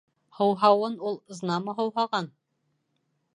Һыуһауын ул, знамо, һыуһаған.